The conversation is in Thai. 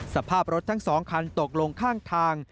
สภาพรถทั้ง๒คันตกลงข้างทาง